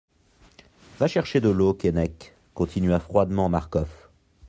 Va chercher de l'eau, Keinec, continua froidement Marcof.